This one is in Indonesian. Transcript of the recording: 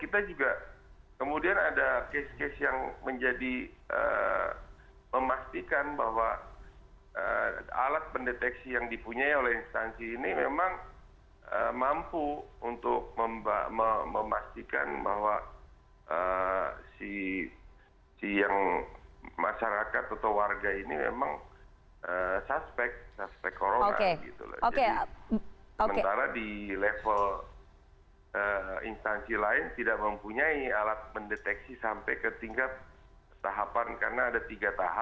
saya kemudian menahan diri